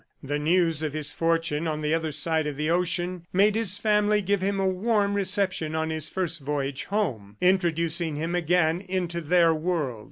The news of his fortune on the other side of the ocean made his family give him a warm reception on his first voyage home; introducing him again into their world.